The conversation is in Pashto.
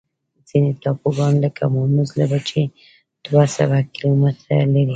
ځینې ټاپوګان لکه مانوس له وچې دوه سوه کیلومتره لري.